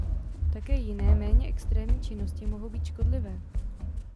Také jiné méně extrémní činnosti mohou být škodlivé.